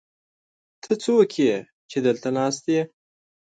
ته څوک يې، چې دلته ناست يې؟